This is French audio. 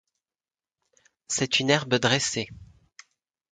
C'est une herbe dressée.